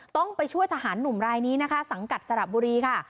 ต้องไปช่วยทหารหนุ่มรายนี้นะคะสังกัดสระบุรีค่ะ